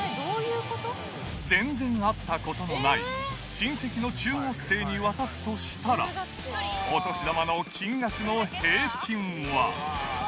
全然会ったことのない親戚の中学生に渡すとしたら、お年玉の金額の平均は。